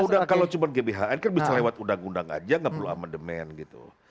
karena kalau cuma gbhn kan bisa lewat undang undang aja gak perlu amandemen gitu